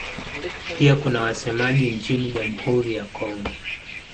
Pia kuna wasemaji nchini Jamhuri ya Kongo.